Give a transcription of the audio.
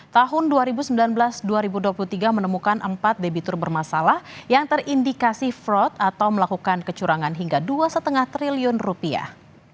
tahun dua ribu sembilan belas dua ribu dua puluh tiga menemukan empat debitur bermasalah yang terindikasi fraud atau melakukan kecurangan hingga dua lima triliun rupiah